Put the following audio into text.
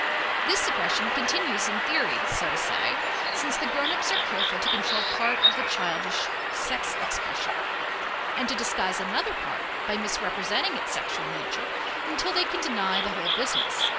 This suppression continues in theory, so to say, since the grown ups are careful to control part of the childish sex expressions, and to disguise another part by misrepresenting its sexual nature until they can deny the whole business.